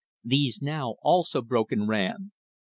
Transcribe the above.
These now also broke and ran.